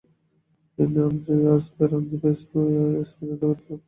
তিনি আলজিয়ার্স পেরোন দ্বীপে স্পেনীয় দূর্গটি দখল করেছিলেন।